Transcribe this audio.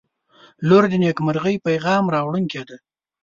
• لور د نیکمرغۍ پیغام راوړونکې ده.